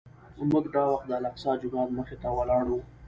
موږ دا وخت د الاقصی جومات مخې ته ولاړ وو.